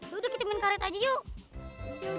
yaudah kita min karet aja yuk